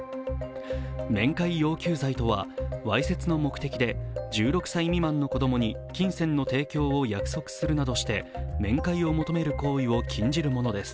面会要求罪とはわいせつな目的で１６歳未満の子供に金銭の提供を約束するなどして面会を求める行為を禁じるものです。